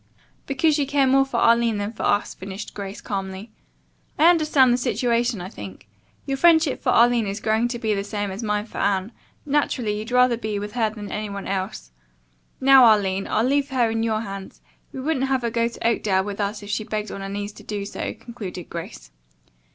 "Because you care more for Arline than for us," finished Grace calmly. "I understand the situation, I think. Your friendship for Arline is growing to be the same as mine for Anne. Naturally, you'd rather be with her than with any one else. Now, Arline, I'll leave her in your hands. We wouldn't have her go to Oakdale with us if she begged on her knees to do so," concluded Grace.